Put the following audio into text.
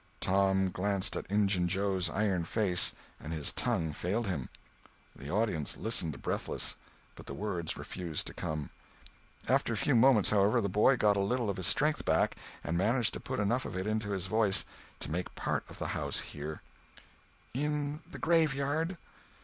Tom glanced at Injun Joe's iron face and his tongue failed him. The audience listened breathless, but the words refused to come. After a few moments, however, the boy got a little of his strength back, and managed to put enough of it into his voice to make part of the house hear: "In the graveyard!"